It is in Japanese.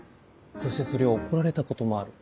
そしてそれを怒られたこともある。